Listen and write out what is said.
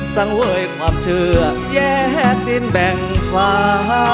สังเวยความเชื่อแยกดินแบ่งฟ้า